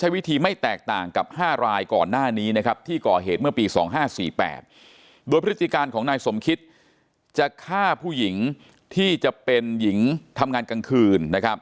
วิธีการของนายสมคิตจะฆ่าผู้หญิงที่จะเป็นหญิงทำงานกลางคืน